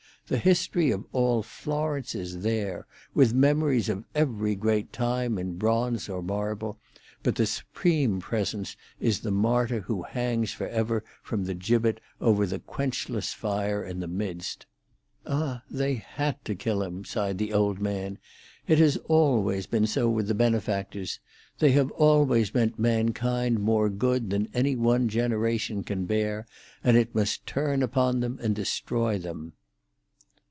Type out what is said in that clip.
The history of all Florence is there, with memories of every great time in bronze or marble, but the supreme presence is the martyr who hangs for ever from the gibbet over the quenchless fire in the midst. "Ah, they had to kill him!" sighed the old man. "It has always been so with the benefactors. They have always meant mankind more good than any one generation can bear, and it must turn upon them and destroy them."